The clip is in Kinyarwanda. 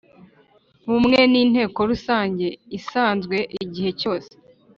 Bumwe n inteko rusange isanzwe igihe cyose